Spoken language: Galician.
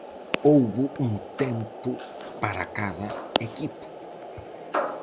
Houbo un tempo para cada equipo.